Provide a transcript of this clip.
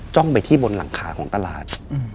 จ้องไปที่บนหลังขาของตลาด